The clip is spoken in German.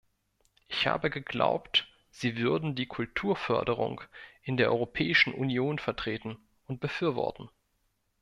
Ich habe geglaubt, sie würden die Kulturförderung in der Europäischen Union vertreten und befürworten.